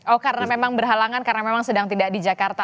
oh karena memang berhalangan karena memang sedang tidak di jakarta